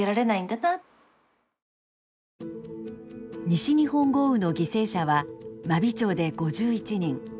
西日本豪雨の犠牲者は真備町で５１人。